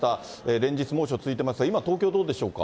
連日猛暑続いてますが、今、東京どうでしょうか。